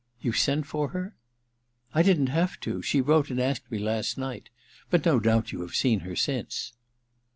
* You sent for her ?I didn't have to— she wrote and asked me last night. But no doubt you have seen her since.